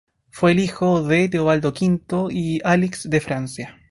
Fue el hijo de Teobaldo V y Alix de Francia.